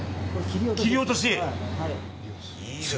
切り落としです。